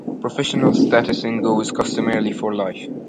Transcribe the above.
Professional status in Go is customarily for life.